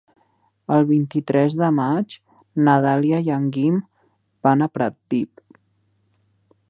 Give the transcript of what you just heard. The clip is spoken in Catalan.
El vint-i-tres de maig na Dàlia i en Guim van a Pratdip.